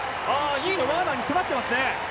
２位のワーナーに迫っていますね。